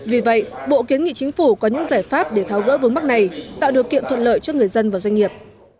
vì vậy bộ kiến nghị chính phủ có những giải pháp để tháo gỡ vướng mắt này tạo điều kiện thuận lợi cho người dân và doanh nghiệp